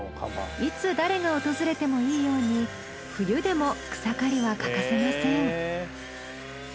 いつ誰が訪れてもいいように冬でも草刈りは欠かせません。